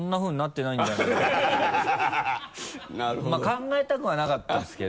考えたくはなかったですけど。